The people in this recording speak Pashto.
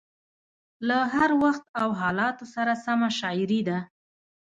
له هر وخت او حالاتو سره سمه شاعري ده.